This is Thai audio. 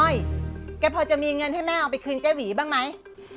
แกพอจะมีเงินให้แม่เอาไปคืนเจ๊หวีบ้างไหม